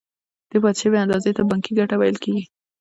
دې پاتې شوې اندازې ته بانکي ګټه ویل کېږي